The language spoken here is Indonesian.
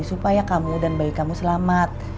supaya kamu dan bayi kamu selamat